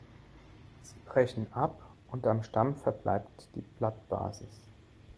Sie brechen ab und am Stamm verbleibt die Blattbasis.